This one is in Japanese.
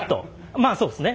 まあそうですね。